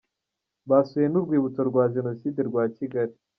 Basuye n’Urwibutso rwa Jenoside rwa Kigali